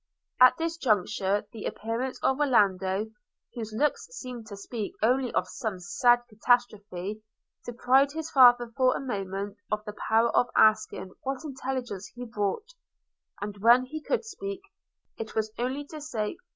At this juncture the appearance of Orlando, whose looks seemed to speak only of some sad catastrophe, deprived his father for a moment of the power of asking what intelligence he brought; and when he could speak, it was only to say!